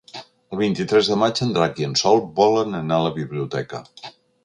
El vint-i-tres de maig en Drac i en Sol volen anar a la biblioteca.